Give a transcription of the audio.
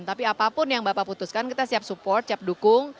tapi apapun yang bapak putuskan kita siap support siap dukung